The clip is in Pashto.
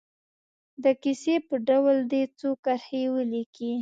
د کیسې په ډول دې څو کرښې ولیکي.